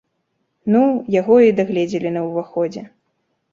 Ну, яго і дагледзелі на ўваходзе.